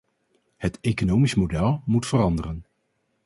Het economische model moet veranderen.